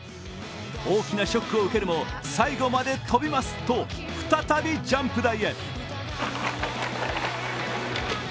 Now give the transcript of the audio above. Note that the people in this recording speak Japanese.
大きなショックを受けるも、最後まで飛びますと再びジャンプ台へ。